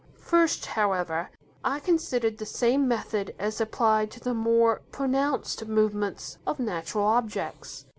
First, however, I considered the same method as applied to the more pronounced movements of natural objects.